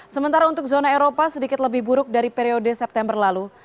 sementara untuk zona eropa sedikit lebih buruk dari periode september lalu